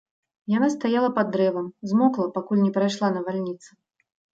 Яна стаяла пад дрэвам, змокла, пакуль не прайшла навальніца.